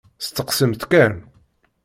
Steqsimt kan!